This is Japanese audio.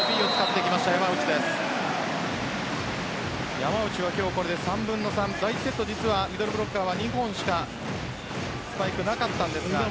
山内は今日これで３分の３第１セット実はミドルブロッカーは日本しかスパイクがありませんでした。